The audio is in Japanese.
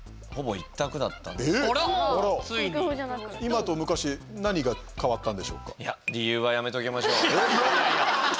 今と昔何が変わったんでしょうか？